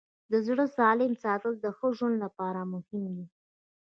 د زړه سالم ساتل د ښه ژوند لپاره مهم دي.